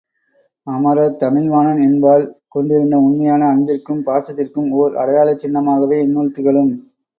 அமரர் தமிழ்வாணன் என்பால் கொண்டிருந்த உண்மையான அன்பிற்கும் பாசத்திற்கும் ஓர் அடையாளச் சின்னமாகவே இந்நூல் திகழும்.